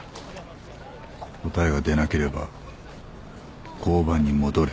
答えが出なければ交番に戻れ。